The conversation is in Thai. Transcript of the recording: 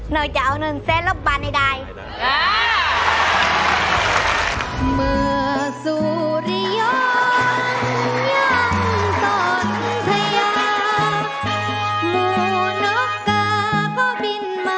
เราจะเอาหนึ่งแสนแล้วบันให้ได้